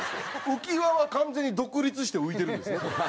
浮き輪は完全に独立して浮いてるんですねこれ。